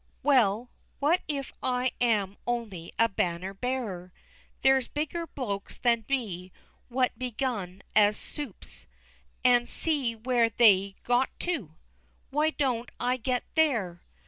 Well, what if I am only a banner bearer? There's bigger blokes than me what begun as "supes," an' see where they've got to? _Why don't I get there?